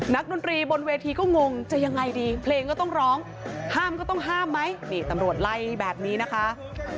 ดนตรีบนเวทีก็งงจะยังไงดีเพลงก็ต้องร้องห้ามก็ต้องห้ามไหมนี่ตำรวจไล่แบบนี้นะคะ